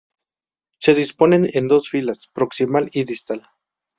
Se disponen en dos filas: proximal y distal.